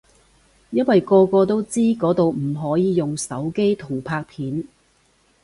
因為個個都知嗰度唔可以用手機同拍片